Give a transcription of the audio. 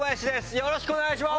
よろしくお願いします。